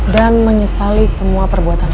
dan menyesali semua perbuatannya